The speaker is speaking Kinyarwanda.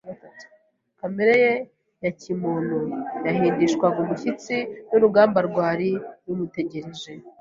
Kamere ye ya kimuntu yahindishwaga umushyitsi n’urugamba rwari rumutegereje.